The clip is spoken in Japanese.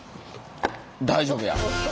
大丈夫や！